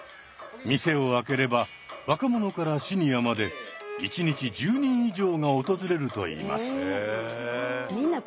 店を開ければ若者からシニアまで１日１０人以上が訪れるといいます。